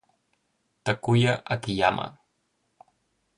Takuya Akiyama